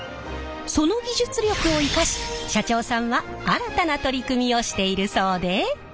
その技術力を生かし社長さんは新たな取り組みをしているそうで。